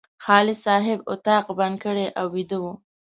خالد صاحب اتاق بند کړی او ویده و.